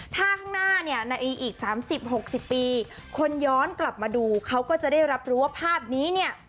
ถ้าข้างหน้าเนี่ยในอีก๓๐๖๐ปีคนย้อนกลับมาดูเขาก็จะได้รับรู้ว่าภาพนี้เนี่ย